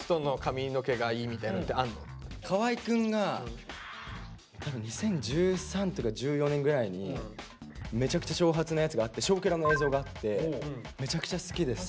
河合くんが多分２０１３とか１４年ぐらいにめちゃくちゃ長髪なやつがあって「少クラ」の映像があってめちゃくちゃ好きです。